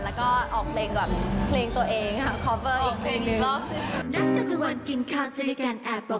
แล้วก็ออกเพลงแบบเพลงตัวเองค่ะคอเวอร์อีกเพลงหนึ่ง